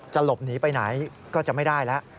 หลบหนีไปไหนก็จะไม่ได้แล้ว